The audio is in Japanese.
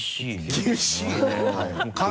厳しいね。